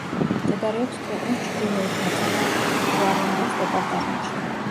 მდებარეობს ქვეყნის ჩრდილოეთ ნაწილში, ტაკუარემბოს დეპარტამენტში.